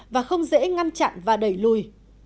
và không dễ ngăn chặn và đẩy lùi